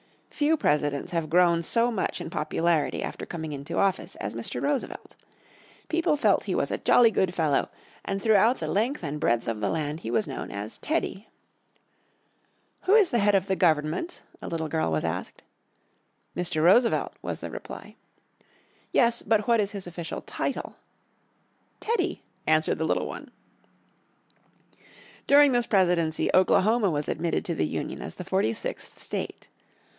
Few Presidents have grown so much in popularity after coming into office as Mr. Roosevelt. People felt he was a jolly good fellow, and throughout the length and breadth of the land he was known as "Teddy." "Who is the head of the Government?" a little girl was asked. "Mr. Roosevelt," was the reply. "Yes, but what is his official title?" "Teddy," answered the little one. During this presidency Oklahoma was admitted to the Union as the forty sixth state.